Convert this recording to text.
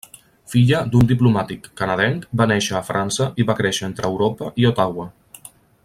Filla d'un diplomàtic canadenc, va néixer a França i va créixer entre Europa i Ottawa.